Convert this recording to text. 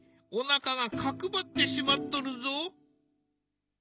おなかが角張ってしまっとるぞ！